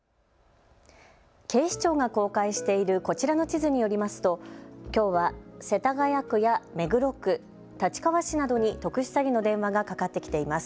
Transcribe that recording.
警視庁が公開しているこちらの地図によりますときょうは世田谷区や目黒区、立川市などに特殊詐欺の電話がかかってきています。